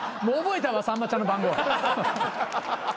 もう覚えたわさんまちゃんの番号。